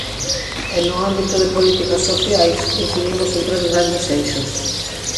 E no ámbito de políticas sociais incidimos en tres grandes eixos.